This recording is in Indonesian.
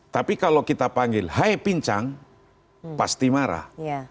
tapi kalau kita panggil hai pincang pasti marah